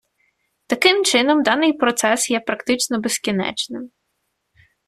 Таким чином, даний процес є практично безкінечним.